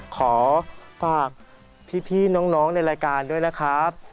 ขอฝากพี่น้องในรายการด้วยนะครับ